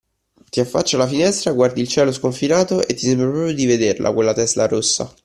Ti affacci alla finestra, guardi il cielo sconfinato e ti sembra proprio di vederla quella Tesla rossa